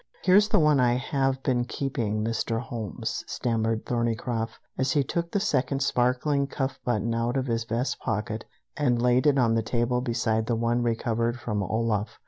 Here's the one I have been keeping, Mr. Holmes," stammered Thorneycroft, as he took the second sparkling cuff button out of his vest pocket and laid it on the table beside the one recovered from Olaf.